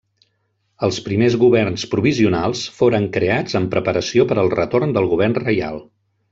Els primers governs provisionals foren creats en preparació per al retorn del govern reial.